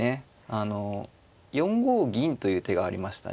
あの４五銀という手がありましたね